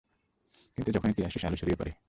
কিন্তু যখনি তুই আসিস, আলো ছড়িয়ে পরে।